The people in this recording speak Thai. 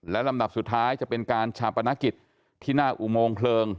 และลำดับสุดท้ายจะเป็นการชาปนกิจที่หน้าอุโมงเพลิง